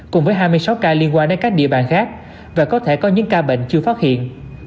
cùng với hai mươi sáu ca liên quan đến các địa bàn khác và có thể có những ca bệnh chưa phát hiện